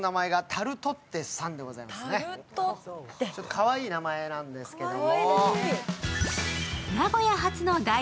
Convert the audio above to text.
かわいい名前なんですけども。